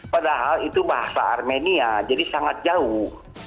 padahal itu bahasa armenia jadi sangat jauh